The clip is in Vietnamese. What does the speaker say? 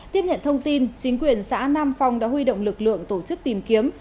tiếp nhận thông tin chính quyền xã nam phong đã huy động lực lượng tổ chức tìm kiếm